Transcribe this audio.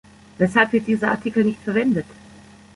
Weshalb wird dieser Artikel nicht verwendet?